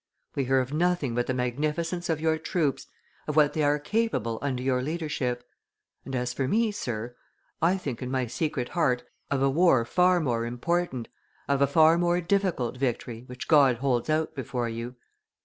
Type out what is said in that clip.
We hear of nothing but the magnificence of your troops, of what they are capable under your leadership! And as for me, Sir, I think in my secret heart of a war far more important, of a far more difficult victory which God holds out before you.